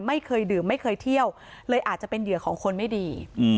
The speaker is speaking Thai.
ไม่เคยดื่มไม่เคยเที่ยวเลยอาจจะเป็นเหยื่อของคนไม่ดี